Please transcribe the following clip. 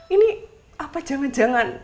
ini apa jangan jangan